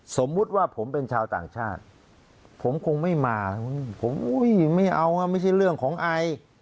สมมุติว่าผมเป็นชาวต่างชาติผมคงไม่มาผมอุ้ยไม่เอาไม่ใช่เรื่องของไอ